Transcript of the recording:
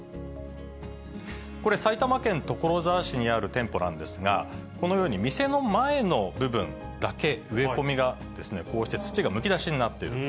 これ、埼玉県所沢市にある店舗なんですが、このように店の前の部分だけ、植え込みがですね、こうして土がむき出しになっている。